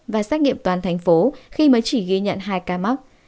và xét nghiệm toàn thành phố khi mới chỉ ghi nhận hai ca mắc